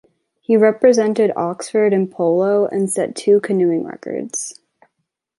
He represented Oxford in polo and set two canoeing records.